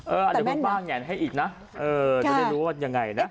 เอออันนี้คุณป้าแงนให้อีกนะจะได้รู้ว่ายังไงนะ